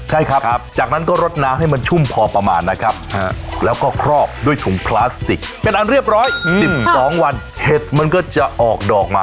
ใช่ครับจากนั้นก็รดน้ำให้มันชุ่มพอประมาณนะครับแล้วก็ครอบด้วยถุงพลาสติกเป็นอันเรียบร้อย๑๒วันเห็ดมันก็จะออกดอกมา